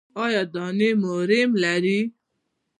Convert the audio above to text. ایا دانې مو ریم لري؟